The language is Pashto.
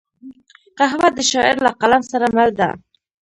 قهوه د شاعر له قلم سره مل ده